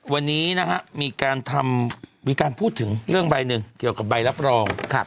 วันนี้นะฮะมีการทำมีการพูดถึงเรื่องใบหนึ่งเกี่ยวกับใบรับรอง